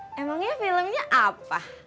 emangnya filmnya apa